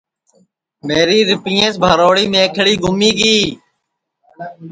میری ریپئیس بھروڑی میکھݪی گُمی گی